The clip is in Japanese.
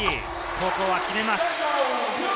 ここは決めます。